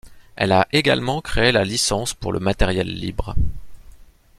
Elle a également créé la licence pour le matériel libre.